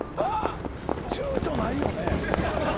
ちゅうちょないよね。